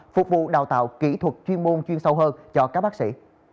phục vụ đào tạo kỹ thuật chuyên môn chuyên sâu hơn cho các bác sĩ